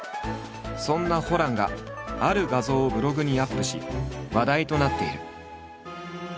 そんなホランがある画像をブログにアップし話題となっている。